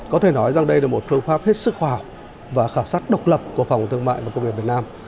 có thể nói rằng đây là một phương pháp hết sức khoa học và khảo sát độc lập của phòng thương mại và công nghiệp việt nam